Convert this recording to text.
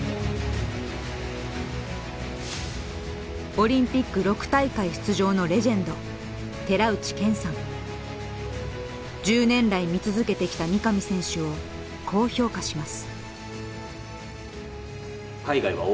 オリンピック６大会出場のレジェンド１０年来見続けてきた三上選手をこう評価します。